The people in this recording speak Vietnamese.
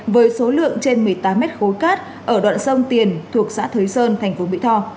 với số lượng trên một mươi tám mét khối cát ở đoạn sông tiền thuộc xã thới sơn thành phố mỹ tho